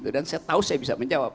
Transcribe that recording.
dan saya tahu saya bisa menjawab